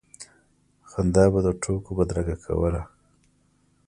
خندا به د ټوکو بدرګه کوله.